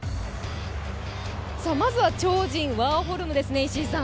まずは超人ワーホルムですね。